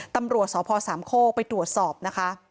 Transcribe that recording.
ตำรวจสพสามโคกไปตรวจสอบนะคะ